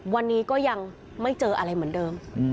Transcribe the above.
วันนี้ก็ยังไม่เจออะไรเหมือนเดิม